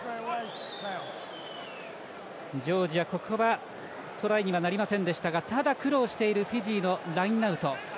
ジョージア、ここはトライにはなりませんでしたがただ、苦労しているフィジーのラインアウト。